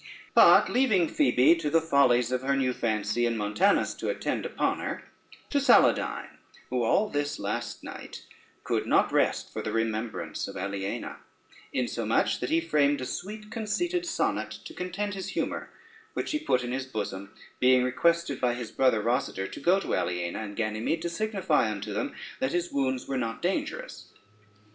But leaving Phoebe to the follies of her new fancy, and Montanus to attend upon her, to Saladyne, who all this last night could not rest for the remembrance of Aliena; insomuch that he framed a sweet conceited sonnet to content his humor, which he put in his bosom, being requested by his brother Rosader to go to Aliena and Ganymede, to signify unto them that his wounds were not dangerous.